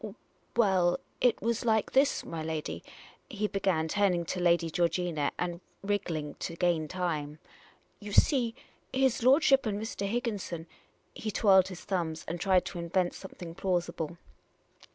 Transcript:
" Well, it was like this, my lady," he began, turning to Lady Georgina, and wrig gling to gain time. " You see, his lordship and Mr. Higgin son " he twirled his thumbs and tried to invent something plausible.